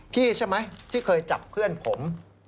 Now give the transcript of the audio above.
ใช่ไหมที่เคยจับเพื่อนผม